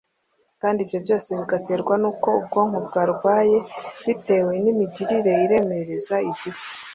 kandi ibyo byose bigaterwa n'uko ubwonko bwarwaye bitewe n'imigirire iremereza igifu